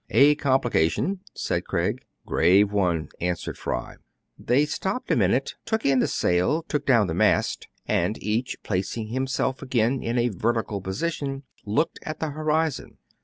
" A complication," said Craig. "Grave one," answered Fry. They stopped a minute, took in the sail, took down the mast ; and each, placing himself again in a vertical position, looked at the horizon.